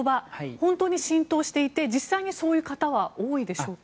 本当に浸透していて実際にそういう方は多いでしょうか。